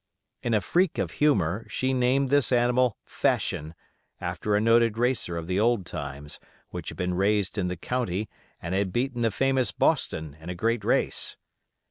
In a freak of humor she named this animal "Fashion", after a noted racer of the old times, which had been raised in the county, and had beaten the famous Boston in a great race.